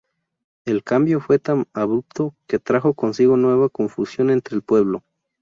El cambio fue tan abrupto que trajo consigo nueva confusión entre el pueblo.